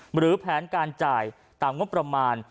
หรือแผนการจ่ายตามงบประมาณ